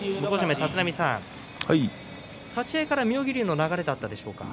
立浪さん立ち合いから妙義龍の流れだったでしょうか。